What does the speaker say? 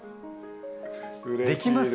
できますか？